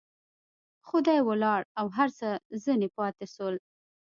خو دى ولاړ او هر څه ځنې پاته سول.